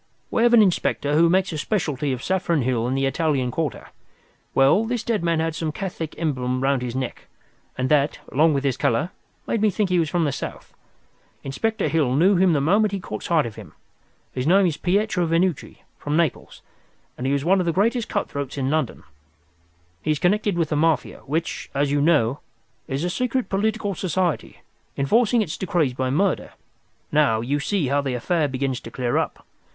"We have an inspector who makes a specialty of Saffron Hill and the Italian Quarter. Well, this dead man had some Catholic emblem round his neck, and that, along with his colour, made me think he was from the South. Inspector Hill knew him the moment he caught sight of him. His name is Pietro Venucci, from Naples, and he is one of the greatest cut throats in London. He is connected with the Mafia, which, as you know, is a secret political society, enforcing its decrees by murder. Now, you see how the affair begins to clear up.